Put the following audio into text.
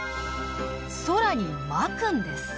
空にまくんです。